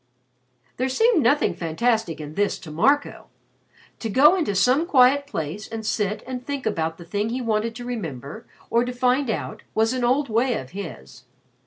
There seemed nothing fantastic in this to Marco. To go into some quiet place and sit and think about the thing he wanted to remember or to find out was an old way of his.